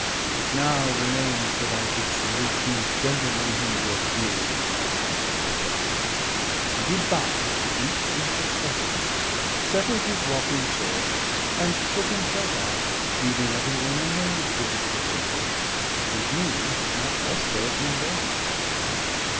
It now remains that I should salute these gentlemen whom we have wearied with our family affairs." And he bowed to each in succession, settled his walking sword, and took himself off, leaving every one amazed at his behaviour, and me not less so at my lord's.